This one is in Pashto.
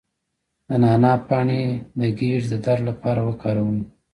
د نعناع پاڼې د ګیډې د درد لپاره وکاروئ